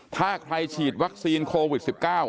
ถ้าใครฉีดวัคซีนโควิด๑๙